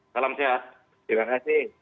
salam sehat terima kasih